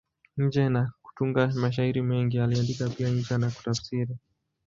Nje ya kutunga mashairi mengi, aliandika pia insha na kutafsiri.